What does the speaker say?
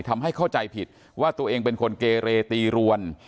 ทำให้เข้าใจผิดว่าตัวเองเป็นคนเกเรตีรวน